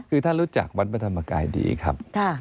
คือท่านรู้จักวัดพระธรรมกายดีครับ